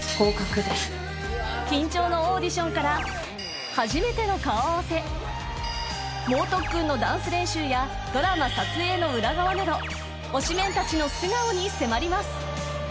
緊張のオーディションから初めての顔合わせ猛特訓のダンス練習やドラマ撮影の裏側など推しメン達の素顔に迫ります